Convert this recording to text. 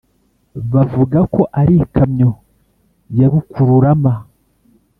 bavugaga ko arikamyo yarukururama